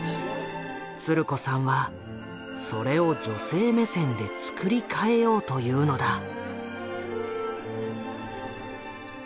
つる子さんはそれを女性目線で作り替えようというのだ。